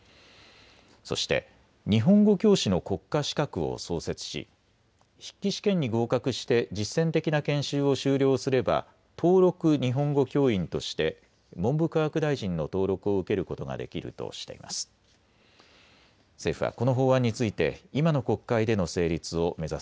そして日本語教師の国家資格を創設し筆記試験に合格して実践的な研修を修了すれば登録日本語教員として文部科学大臣の登録を受けることができるとしています。